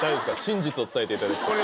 真実を伝えていただきたい